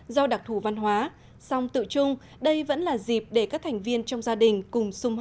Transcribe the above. do phải đi làm đi học